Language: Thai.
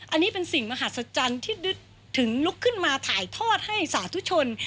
อันนี้เป็นสิ่งมหัศจรรย์ที่ถึงลุกขึ้นมาถ่ายทอดให้สาธุชน